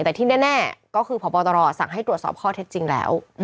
แต่ที่แน่ก็คือพบตรสั่งให้ตรวจสอบข้อเท็จจริงแล้ว